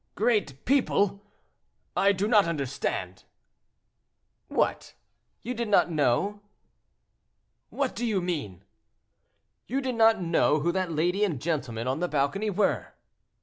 "Great people! I do not understand." "What! you did not know?" "What do you mean?" "You did not know who that lady and gentlemen on the balcony were?"